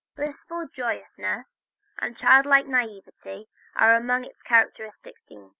Blissful joyousness and child like naïveté are among its characteristic features.